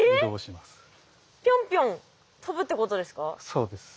そうです。